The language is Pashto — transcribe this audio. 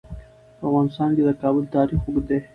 په افغانستان کې د کابل تاریخ اوږد دی.